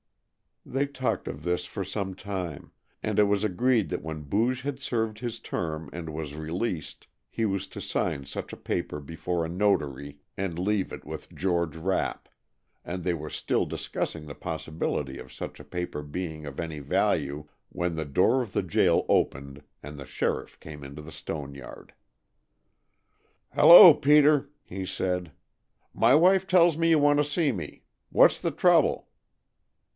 They talked of this for some time, and it was agreed that when Booge had served his term and was released he was to sign such a paper before a notary and leave it with George Rapp, and they were still discussing the possibility of such a paper being of any value when the door of the jail opened and the sheriff came into the stone yard. "Hello, Peter!" he said. "My wife tells me you want to see me. What's the trouble?"